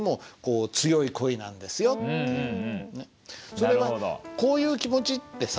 それはこういう気持ちってさ